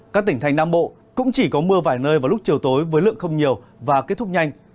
các tỉnh thành nam bộ cũng chỉ có mưa vài nơi vào lúc chiều tối với lượng không nhiều và kết thúc nhanh